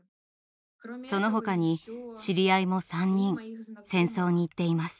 その他に知り合いも３人戦争に行っています。